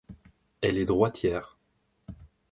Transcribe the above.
Elle est droitière.